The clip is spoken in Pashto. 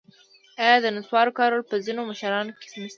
آیا د نصوارو کارول په ځینو مشرانو کې نشته؟